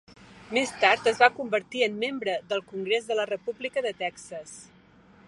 Més tard es va convertir en membre del Congrés de la República de Texas.